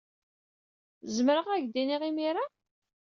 Zermreɣ ad ak-t-id-iniɣ imir-a.